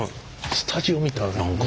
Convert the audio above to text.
スタジオみたい何か。